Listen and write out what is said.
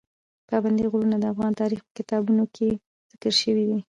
پابندي غرونه د افغان تاریخ په کتابونو کې ذکر شوي دي.